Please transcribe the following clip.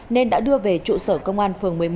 nên đã đưa về trụ sở công an phường một mươi một